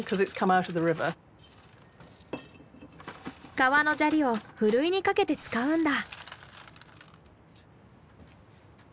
川の砂利をふるいにかけて使うんだ。